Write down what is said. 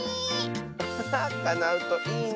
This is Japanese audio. アハハかなうといいね。